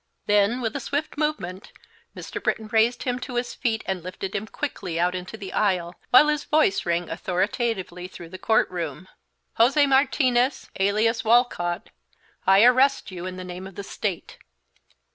Then, with a swift movement, Mr. Britton raised him to his feet and lifted him quickly out into the aisle, while his voice rang authoritatively through the court room, "José Martinez, alias Walcott, I arrest you in the name of the State!"